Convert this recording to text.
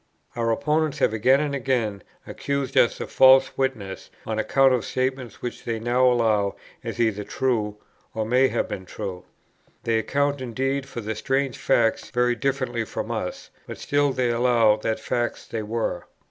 Our opponents have again and again accused us of false witness, on account of statements which they now allow are either true, or may have been true. They account indeed for the strange facts very differently from us; but still they allow that facts they were.